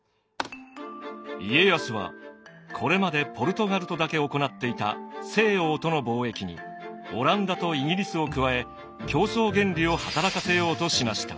家康はこれまでポルトガルとだけ行っていた西欧との貿易にオランダとイギリスを加え競争原理を働かせようとしました。